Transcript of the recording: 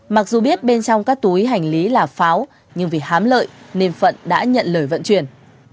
mặc dù biết bên trong các túi hành lý là pháo nhưng vì hám lợi nên phận đã nhận lời vận chuyển